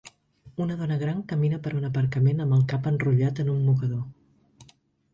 Una dona gran camina per un aparcament amb el cap enrotllat en un mocador.